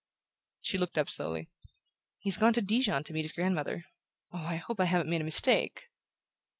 She looked up slowly. "He's gone to Dijon to meet his grandmother. Oh, I hope I haven't made a mistake!"